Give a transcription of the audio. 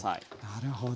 なるほど。